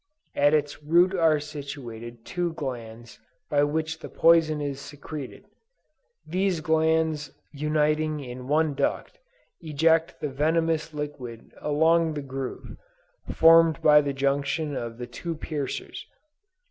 At its root are situated two glands by which the poison is secreted: these glands uniting in one duct, eject the venemous liquid along the groove, formed by the junction of the two piercers.